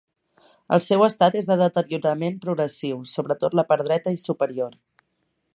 El seu estat és de deteriorament progressiu, sobretot la part dreta i superior.